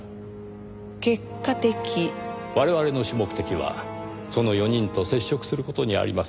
我々の主目的はその４人と接触する事にあります。